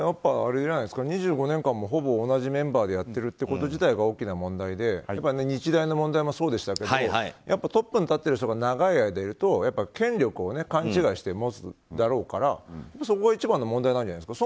２５年間ほぼ同じメンバーでやってるってこと自体が大きな問題で日大の問題もそうでしたけどトップに立っている人が長い間いると権力を勘違いして持つだろうからそこが一番の問題なんじゃないですか。